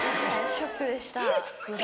ショックでした。